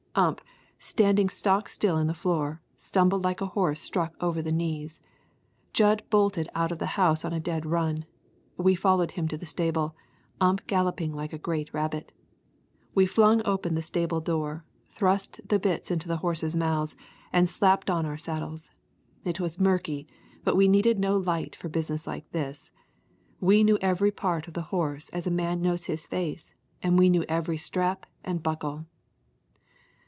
Ump, standing stock still in the floor, stumbled like a horse struck over the knees. Jud bolted out of the house on a dead run. We followed him to the stable, Ump galloping like a great rabbit. We flung open the stable door, thrust the bits into the horses' mouths, and slapped on our saddles. It was murky, but we needed no light for business like this. We knew every part of the horse as a man knows his face, and we knew every strap and buckle.